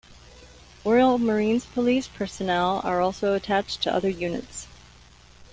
Royal Marines Police personnel are also attached to other units.